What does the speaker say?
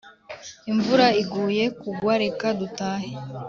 Imvura iguye kugwa reka dutahe